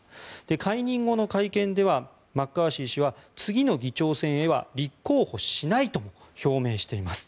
解任後の会見ではマッカーシー氏は次の議長選へは立候補しないと表明しています。